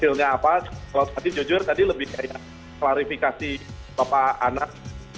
iya iya tapi ya itu belum ada kayak hasilnya apa kalau tadi jujur tadi lebih kayak klarifikasi bapak anak